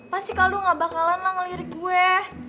pasti kaldu gak bakalan lah ngelirik gue